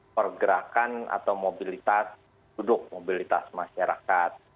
pergerakan atau mobilitas masyarakat